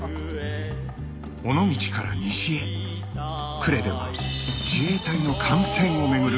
尾道から西へ呉では自衛隊の艦船を巡る